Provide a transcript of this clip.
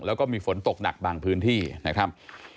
แล้วก็มีฝนตกหนักบางพื้นที่นะครับ